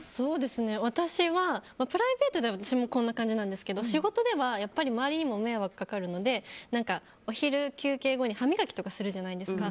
プライベートでは私もこんな感じなんですけど仕事では周りにも迷惑かかるのでお昼休憩後に歯磨きとかするじゃないですか。